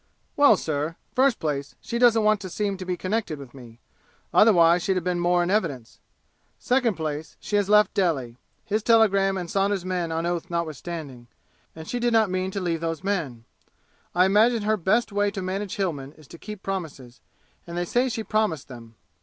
"Well, sir, first place, she doesn't want to seem to be connected with me. Otherwise she'd have been more in evidence. Second place, she has left Delhi his telegram and Saunders' men on oath notwithstanding and she did not mean to leave those men. I imagine her best way to manage Hillmen is to keep promises, and they say she promised them.